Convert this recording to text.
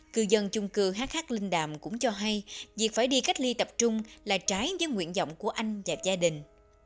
cư dân chung cư hh linh đàm cũng cho hay việc phải đi cách ly tập trung là trái với nguyện vọng của anh và gia đình